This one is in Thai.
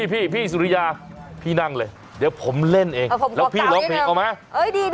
พี่สุริยาพี่นั่งเลยเดี๋ยวผมเล่นเองแล้วพี่ร้องเพลงเอาไหม